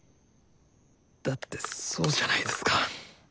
だってそうじゃないですか。